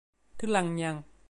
thứ lăng nhăng